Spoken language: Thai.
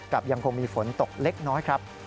ยังคงมีฝนตกเล็กน้อยครับ